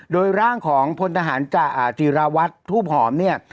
โดยร่างของพลทหารจากจีราวัตรทูบหอมเนี่ย